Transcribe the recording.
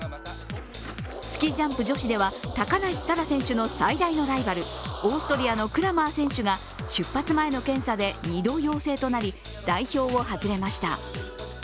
スキージャンプ女子では高梨沙羅選手の最大のライバル、オーストリアのクラマー選手が出発前の検査で２度陽性となり代表を外れました。